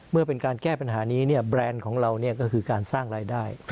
เมื่อเป็นการแก้ปัญหานี้แบรนด์ของเราก็คือการสร้างรายได้